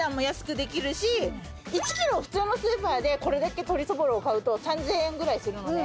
１ｋｇ普通のスーパーでこれだけ鶏そぼろを買うと３，０００円ぐらいするのね。